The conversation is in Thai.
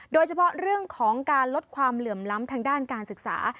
โดยเฉพาะเรื่องของการลดความเหลื่อมล้ำทางด้านการศึกษา